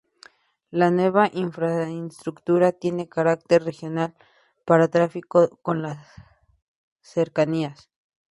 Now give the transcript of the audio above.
La nueva infraestructura tiene carácter regional para tráfico con las cercanías.